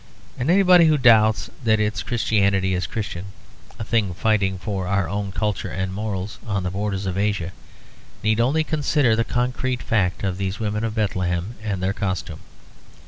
And anybody who doubts that its Christianity is Christian, a thing fighting for our own culture and morals on the borders of Asia, need only consider the concrete fact of these women of Bethlehem and their costume.